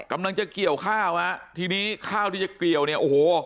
กำลังจะเกี่ยวข้าวฮะทีนี้ข้าวที่จะเกี่ยวเนี่ยโอ้โห